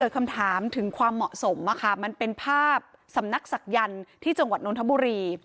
เกิดคำถามถึงความเหมาะสมว่าค่ะมันเป็นภาพสำนักศักดิ์ยันทร์ที่จังหวัดนทบุรี